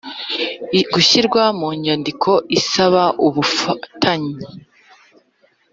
Gushyirwa mu nyandiko isaba ubufatanye